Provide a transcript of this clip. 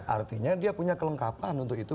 artinya dia punya kelengkapan untuk itu